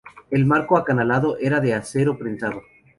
El marco acanalado era de acero prensado.